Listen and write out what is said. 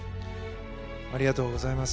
ありがとうございます。